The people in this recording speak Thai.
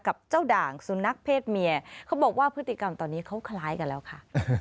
กับเจ้าด่างสุนัขเพศเมียเขาบอกว่าพฤติกรรมตอนนี้เขาคล้ายกันแล้วค่ะ